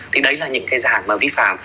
thì đấy là những cái dàng vi phạm